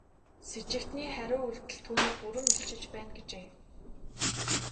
Сэжигтний хариу үйлдэл түүнийг бүрэн илчилж байна гэжээ.